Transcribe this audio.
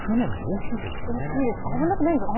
危なくないですか。